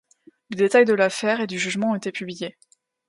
Les détails de l'affaire et du jugement ont été publiés.